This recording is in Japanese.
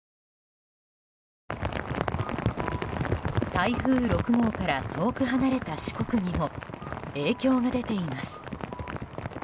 台風６号から遠く離れた四国にも影響が出ています。